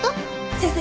先生